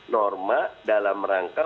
norma dalam rangka